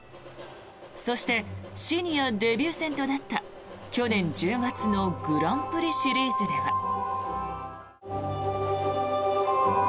そしてシニアデビュー戦となった去年１０月のグランプリシリーズでは。